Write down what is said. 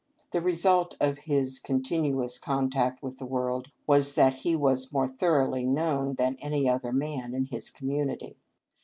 The result of this continuous con tact with the world was, that he was more thor oughly known than any other man in his com munity.